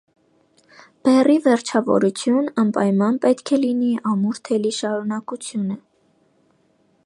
Բեռի վերջավորություն անպայման պետք է լինի ամուր թելի շարուկանությունը։